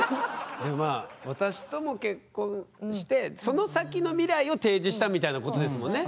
でもまあ私とも結婚してその先の未来を提示したみたいなことですもんね。